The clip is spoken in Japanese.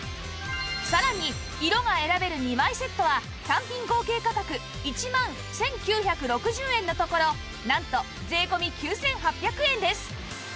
さらに色が選べる２枚セットは単品合計価格１万１９６０円のところなんと税込９８００円です